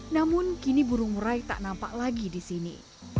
namun kini burung merai tak nampak lagi di sini